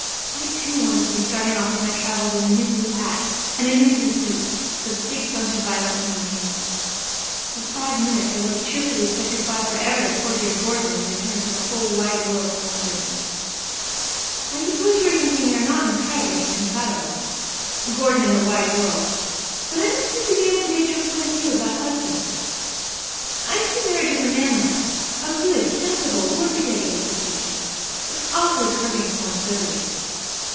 I, too, wanted to be starting off on my travels in a new blue hat and a new blue suit with a big bunch of violets in my hand. For five minutes I would cheerfully have said good by forever to poor dear Gordon in return for the wide world to wander in. I suppose you are thinking they are not entirely incompatible Gordon and the wide world but I don't seem able to get your point of view about husbands. I see marriage as a man must, a good, sensible workaday institution; but awfully curbing to one's liberty.